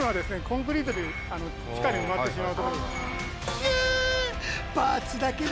コンクリートで地下に埋まってしまうところです。